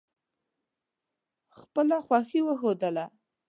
خپله خوښي وښودله.